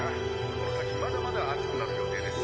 この先まだまだ暑くなる予定です